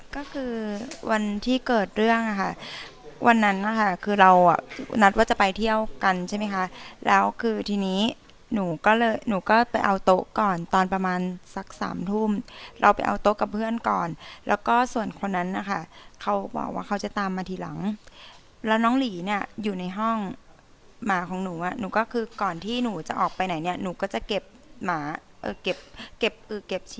ก็คือวันที่เกิดเรื่องอะค่ะวันนั้นนะคะคือเราอ่ะนัดว่าจะไปเที่ยวกันใช่ไหมคะแล้วคือทีนี้หนูก็เลยหนูก็ไปเอาโต๊ะก่อนตอนประมาณสักสามทุ่มเราไปเอาโต๊ะกับเพื่อนก่อนแล้วก็ส่วนคนนั้นนะคะเขาบอกว่าเขาจะตามมาทีหลังแล้วน้องหลีเนี่ยอยู่ในห้องหมาของหนูอ่ะหนูก็คือก่อนที่หนูจะออกไปไหนเนี่ยหนูก็จะเก็บหมาเก็บ